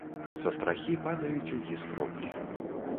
Са страхі падаюць уніз кроплі.